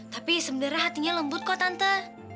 tapi sebenarnya hatinya lembut kok tante